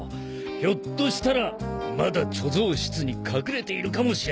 ひょっとしたらまだ貯蔵室に隠れているかもしれない。